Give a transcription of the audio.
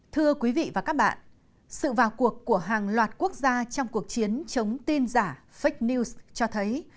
thưa quý vị và các bạn sự vào cuộc của hàng loạt quốc gia trong cuộc chiến chống tin giả fake news cho thấy